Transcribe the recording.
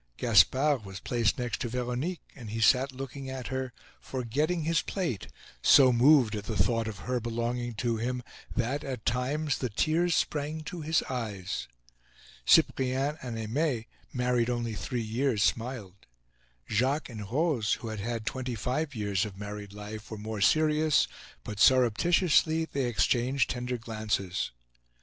Gaspard was placed next to Veronique, and he sat looking at her, forgetting his plate, so moved at the thought of her belonging to him that, at times, the tears sprang to his eyes. Cyprien and Aimee, married only three years, smiled. Jacques and Rose, who had had twenty five years of married life, were more serious, but, surreptitiously, they exchanged tender glances.